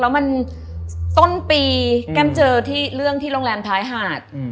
แล้วมันต้นปีแก้มเจอที่เรื่องที่โรงแรมท้ายหาด